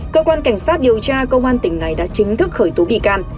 cơ quan cảnh sát điều tra công an tỉnh này đã chính thức khởi tố bị can